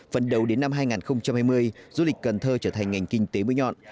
phần đầu đến năm hai nghìn hai mươi du lịch cần thơ trở thành ngành kinh tế mũi nhọn